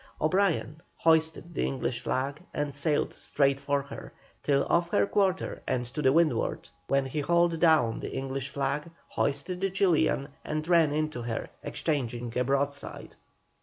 O'Brien hoisted the English flag and sailed straight for her, till off her quarter and to windward, when he hauled down the English flag, hoisted the Chilian, and ran into her, exchanging a broadside.